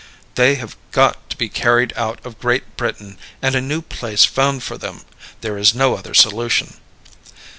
They have got to be carried out of Great Britain and a new place found for them. There is no other solution.